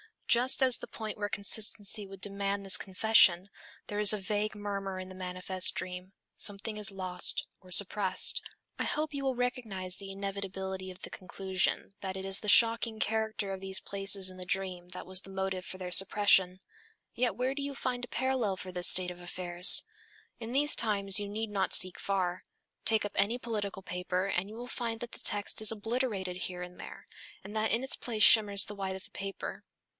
Just at the point where consistency would demand this confession, there is a vague murmur in the manifest dream, something is lost or suppressed. I hope you will recognize the inevitability of the conclusion that it is the shocking character of these places in the dream that was the motive for their suppression. Yet where do you find a parallel for this state of affairs? In these times you need not seek far. Take up any political paper and you will find that the text is obliterated here and there, and that in its place shimmers the white of the paper.